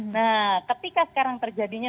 nah ketika sekarang terjadinya